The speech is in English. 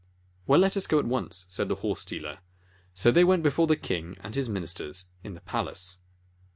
"Well, let us go at once," said the horse dealer. So they went before the king and his ministers in the palace.